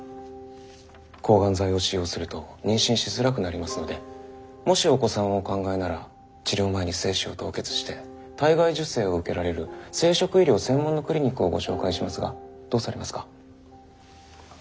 抗がん剤を使用すると妊娠しづらくなりますのでもしお子さんをお考えなら治療前に精子を凍結して体外受精を受けられる生殖医療専門のクリニックをご紹介しますがどうされますか？